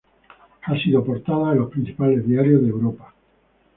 Ha sido portada de los principales diarios de Europa.